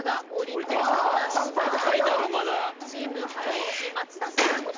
チームハライチ松田さん。